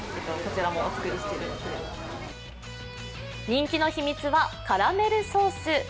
人気の秘密はカラメルソース。